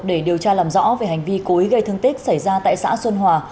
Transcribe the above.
để điều tra làm rõ về hành vi cố ý gây thương tích xảy ra tại xã xuân hòa